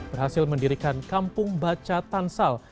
berhasil mendirikan kampung baca tansal